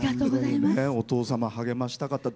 お父様励ましたかった。